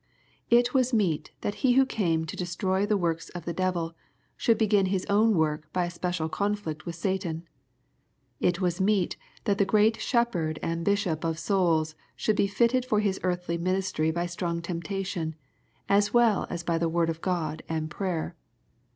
It was meet that He who came '* to destroy the works of the devil,'' should begin His own work by a special conflict with Satan. It was meet that the great Shepherd and bishop of souls should be fitted for His earthly ministry by strong temptation, as well as by the word of God and prayer.